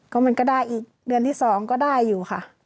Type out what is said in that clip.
ก็มันก็ได้อีกเดือนที่๒ก็ได้อยู่ค่ะ